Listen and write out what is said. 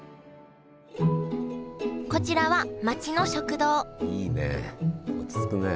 こちらは町の食堂いいね落ち着くね。